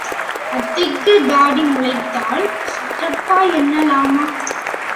அத்தைக்குத் தாடி முளைத்தால் சிற்றப்பா என்னலாமா?